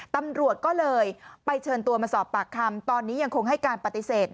ตำรวจก็เลยไปเชิญตัวมาสอบปากคำตอนนี้ยังคงให้การปฏิเสธ